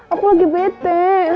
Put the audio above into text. aku lagi bete